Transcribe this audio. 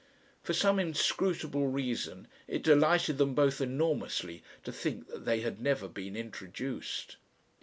For some inscrutable reason it delighted them both enormously to think that they had never been introduced....